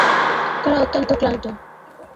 তারা অত্যন্ত ক্লান্ত।